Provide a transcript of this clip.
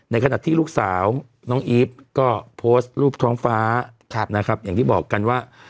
ขณะที่ลูกสาวน้องอีฟก็โพสต์รูปท้องฟ้านะครับอย่างที่บอกกันว่า